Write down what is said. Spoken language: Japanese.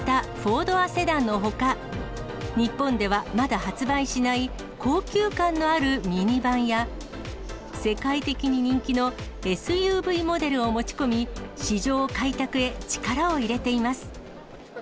４ドアセダンのほか、日本ではまだ発売しない、高級感のあるミニバンや、世界的に人気のＳＵＶモデルを持ち込み、市場開拓へ、力を入れています。